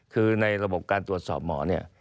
คือในระบบการตรวจสอบหมอเนี่ย